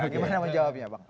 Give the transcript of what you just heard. gimana menjawabnya pak alex